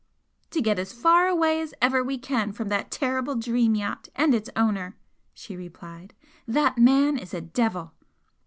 "To get as far away as ever we can from that terrible 'Dream' yacht and its owner!" she replied "That man is a devil!"